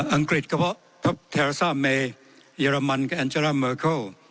อังกฤษก็เพราะเทราซ่าเมเยอรมันก็แอนเจรัมเมอร์เคิล